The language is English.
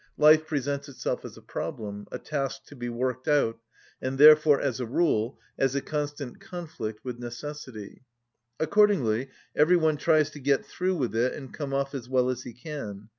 Life presents itself as a problem, a task to be worked out, and therefore, as a rule, as a constant conflict with necessity. Accordingly every one tries to get through with it and come off as well as he can.